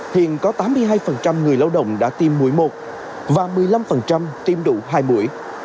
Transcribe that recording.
hiện có tám mươi hai người lao động đã tiêm mũi một và một mươi năm tiêm đủ hai buổi